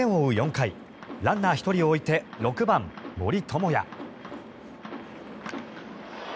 ４回ランナー１人を置いて６番、森友哉。